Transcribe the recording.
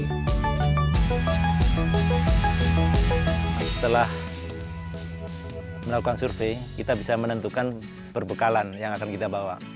setelah melakukan survei kita bisa menentukan perbekalan yang akan kita bawa